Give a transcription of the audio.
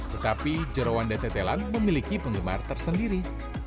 tetapi jerawan dan tetelan memiliki penggemar tersendiri